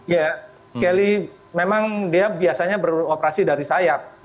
ya kelly memang dia biasanya beroperasi dari sayap